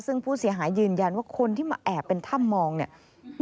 ซึ่งผู้เสียหายยืนยันว่าคนที่มาแอบเป็นถ้ำมองเนี่ย